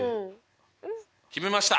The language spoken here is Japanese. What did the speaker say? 決めました。